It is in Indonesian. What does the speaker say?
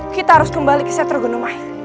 kita harus kembali ke sentro kondomain